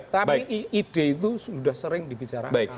tapi ide itu sudah sering dibicarakan